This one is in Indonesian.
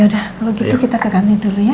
ya udah kalo gitu kita ke kantin dulu ya